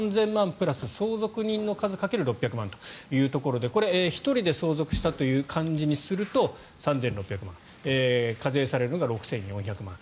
プラス相続人の数掛ける６００万円ということでこれは１人で相続した感じにすると３６００万円課税されるのが６４００万円。